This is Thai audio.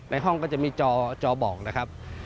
ในห้องก็จะมีจอบอกนะครับ